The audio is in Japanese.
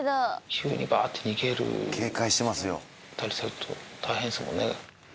急にバって逃げたりすると大変ですもんね。